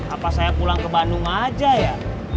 apa saya pulang ke bandung aja ya